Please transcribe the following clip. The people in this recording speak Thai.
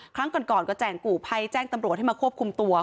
ครั้งก่อนก็แจ้งกู่ภัยแจ้งตำรวจให้มาควบคุมตัว